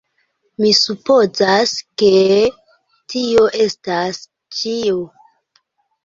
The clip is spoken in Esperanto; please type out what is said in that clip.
Mi supozas ke... tio estas ĉio!